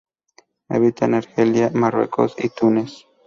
Habita en Argelia, Marruecos y Túnez.